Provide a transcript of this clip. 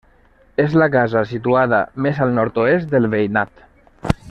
És la casa situada més al nord-oest del veïnat.